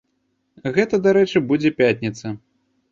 Гэта, дарэчы, будзе пятніца.